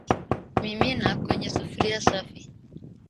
mimina kwenye sufuria safi